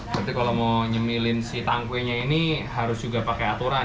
berarti kalau mau nyemilin si tangkwenya ini harus juga pakai aturan